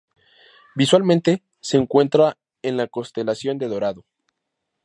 Visualmente se encuentra en la constelación de Dorado.